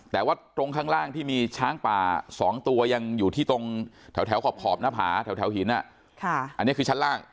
แต่ว่าตรงข้างล่างที่มีช้างป่า๒ตัวยังอยู่ที่ตรงแถวขอบหน้าผาแถวหินอันนี้คือชั้นล่าง